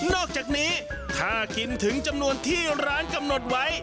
นอกจากนี้ถ้ากินถึงจำนวนที่ร้านกำหนดไว้